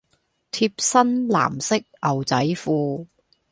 貼身藍色牛仔褲